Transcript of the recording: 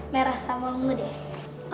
merah sama ungu deh